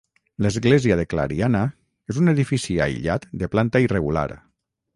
L'església de Clariana és un edifici aïllat de planta irregular.